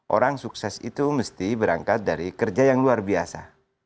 orang sukses itu mesti berangkat dari kerja yang luar biasa